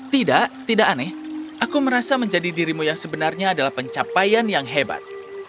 tidak tidak aneh aku merasa menjadi dirimu yang sebenarnya adalah pencapaian yang hebat